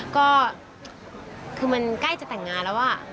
ก็คือมันใกล้จะแต่งงานแล้ว